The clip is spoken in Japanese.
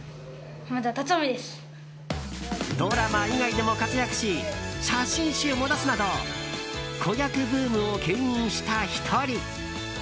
ドラマ以外でも活躍し写真集も出すなど子役ブームを牽引した１人。